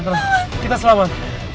tenang ya kita selamat